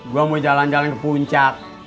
gue mau jalan jalan ke puncak